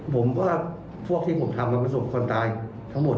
ผมว่าพวกที่ผมทำมันเป็นศพคนตายทั้งหมด